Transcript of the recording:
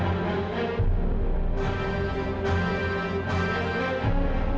aku curang juga karena sayalying juga nepengaruh